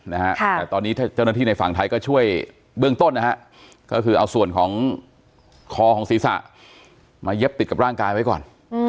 แต่ตอนนี้เจ้าหน้าที่ในฝั่งไทยก็ช่วยเบื้องต้นนะฮะก็คือเอาส่วนของคอของศีรษะมาเย็บติดกับร่างกายไว้ก่อน